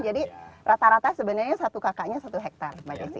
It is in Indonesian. jadi rata rata sebenarnya satu kakaknya satu hektare mbak desi